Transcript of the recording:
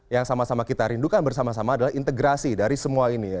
yang sama sama kita rindukan bersama sama adalah integrasi dari semua ini ya